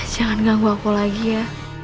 jangan ganggu aku lagi ya